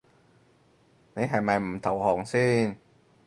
你係咪唔投降先